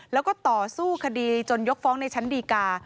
แล้วก็ต่อสู้คดีจนยกฟ้องในชั้นดีกา